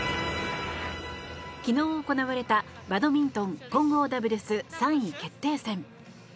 昨日行われた、バドミントン混合ダブルス３位決定戦。